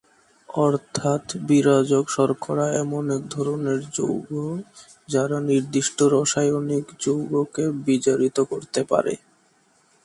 অর্থাৎ বিজারক শর্করা এমন এক ধরনের যৌগ যারা নির্দিষ্ট রাসায়নিক যৌগকে বিজারিত করতে পারে।